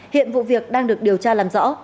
hiện vụ việc đang được điều tra làm rõ